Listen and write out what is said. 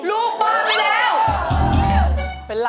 ลูกบ้านไปแล้ว